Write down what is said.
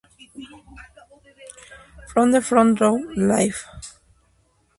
From the Front Row... Live!